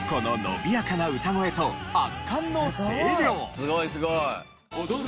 このすごいすごい！